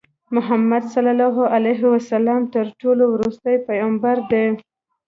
محمدﷺ تر ټولو ورستی پیغمبر دی.